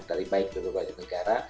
dari baik ke berbagai negara